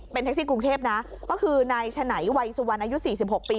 เป็นแท็กซี่กรุงเทพนะก็คือนายฉนัยวัยสุวรรณอายุสี่สิบหกปี